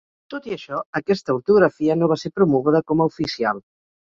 Tot i això, aquesta ortografia no va ser promoguda com a oficial.